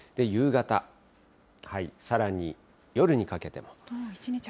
夕方、さらに夜にかけても。